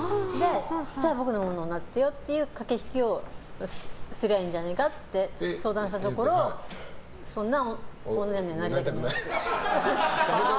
じゃあ僕のものになってよっていう駆け引きをすりゃいいんじゃないかって相談したところそんな女にはなりたくないと。